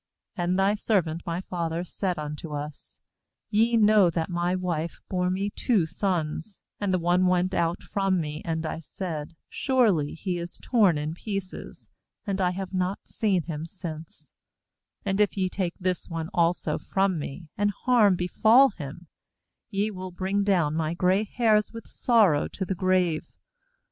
27And thy servant my father said unto us Ye know that my wife bore me two sons; 28and the one went out from me, and I said Surely he is torn in pieces; and I have not seen him since; 29and if ye take this one also from me, and harm befall him, ye will bring down my gray hairs with sorrow to the grave.